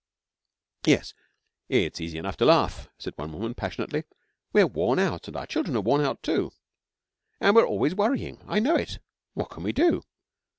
'Yes, it's easy enough to laugh,' said one woman passionately, 'we are worn out, and our children are worn out too, and we're always worrying, I know it. What can we do?